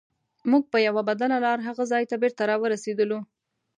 موږ په یوه بدله لار هغه ځای ته بېرته راورسیدلو.